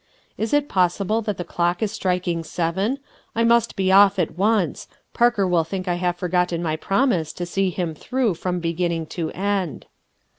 Is it possible that that clock is striking seven! I must be off at once; Parker will think I have forgotten my promise to see him through from beginning to end."